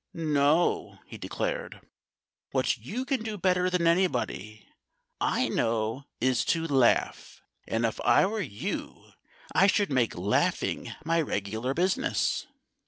No!" he declared. "What you can do better than anybody I know is to laugh. And if I were you I should make laughing my regular business."